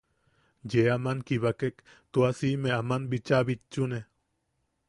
Yee aman kibakek tua siʼime aman bichaa bitchune.